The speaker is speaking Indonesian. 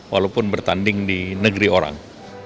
walaupun bertanding di negeri orang